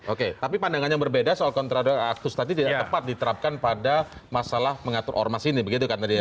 oke tapi pandangan yang berbeda soal kontra aktus tadi tidak tepat diterapkan pada masalah mengatur ormas ini begitu kan tadi ya